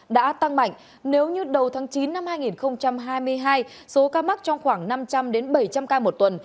đã tăng mạnh nếu như đầu tháng chín năm hai nghìn hai mươi hai số ca mắc trong khoảng năm trăm linh bảy trăm linh ca một tuần